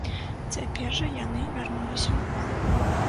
Цяпер жа яны вярнуліся ў банк.